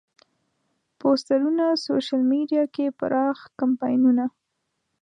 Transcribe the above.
پوسترونه، سوشیل میډیا کې پراخ کمپاینونه.